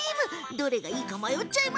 どれがいいか迷っちゃう！